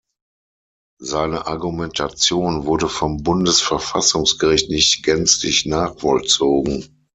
Seine Argumentation wurde vom Bundesverfassungsgericht nicht gänzlich nachvollzogen.